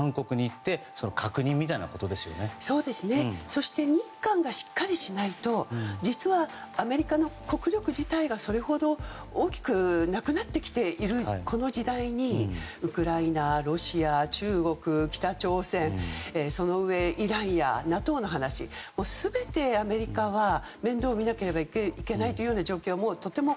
そして、日韓がしっかりしないと実はアメリカの国力自体がそれほど大きくなくなってきているこの時代にウクライナ、ロシア、中国北朝鮮そのうえイランやＮＡＴＯの話全てアメリカは面倒を見なければいけない状況というのも